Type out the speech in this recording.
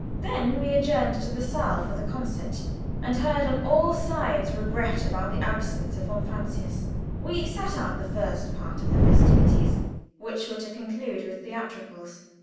Then we adjourned to the saal for the concert, and heard on all sides regrets about the absence of von Francius. We sat out the first part of the festivities, which were to conclude with theatricals.